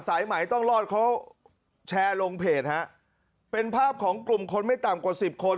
สายไหมต้องรอดเขาแชร์ลงเพจฮะเป็นภาพของกลุ่มคนไม่ต่ำกว่าสิบคน